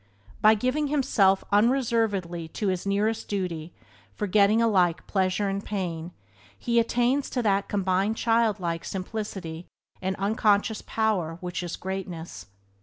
By giving himself unreservedly to his nearest duty, forgetting alike pleasure and pain, he attains to that combined childlike simplicity and unconscious power which is greatness.